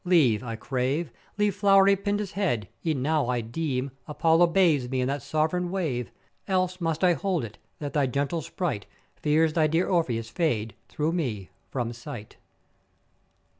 Leave, I crave, leave flow'ry Pindus head; e'en now I deem Apollo bathes me in that sovran wave; else must I hold it, that thy gentle sprite, fears thy dear Orpheus fade through me from sight.